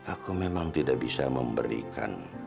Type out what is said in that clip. aku memang tidak bisa memberikan